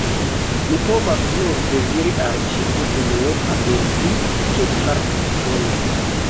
Mi povas nur deziri al ĉiu unuopa el vi, ke vi fartos bone.